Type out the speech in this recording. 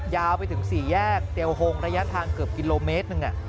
ยาวไปถึง๔แยกเตียวโฮงระยะทางเกือบกิโลเมตรหนึ่ง